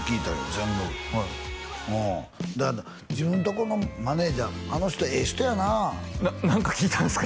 全部だけど自分とこのマネージャーあの人ええ人やな何か聞いたんすか？